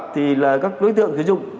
thì là các đối tượng sử dụng